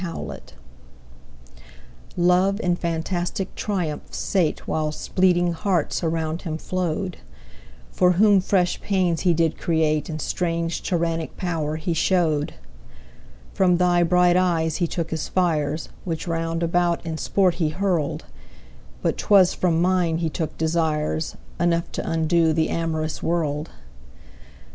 Song LOVE in fantastic triumph sate Whilst bleeding hearts around him flow'd, For whom fresh pains he did create And strange tyrannic power he show'd: From thy bright eyes he took his fires, 5 Which round about in sport he hurl'd; But 'twas from mine he took desires Enough t' undo the amorous world.